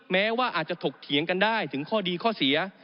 แม้ว่าอาจจะถกเถียงกันได้ถึงข้อดีข้อเสีย